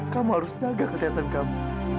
kamu harus jaga kesehatan kamu